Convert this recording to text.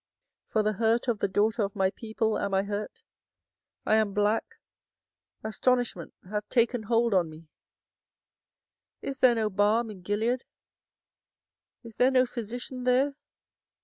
24:008:021 For the hurt of the daughter of my people am I hurt; I am black; astonishment hath taken hold on me. 24:008:022 Is there no balm in Gilead; is there no physician there?